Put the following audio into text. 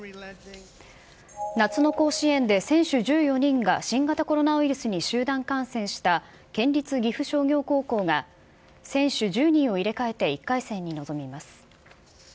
夏の甲子園で選手１４人が新型コロナウイルスに集団感染した県立岐阜商業高校が選手１０人を入れ替えて１回戦に臨みます。